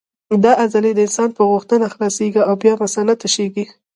دا عضلې د انسان په غوښتنه خلاصېږي او بیا مثانه تشېږي.